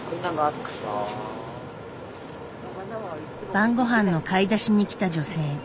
晩ごはんの買い出しに来た女性。